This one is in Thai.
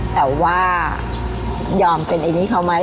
แต่ว่ายอมเป็นไอ้นี่เขาไหม